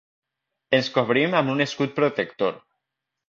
Ens cobrim amb un escut protector.